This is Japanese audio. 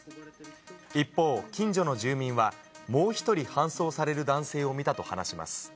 一方、近所の住民は、もう１人搬送される男性を見たと話します。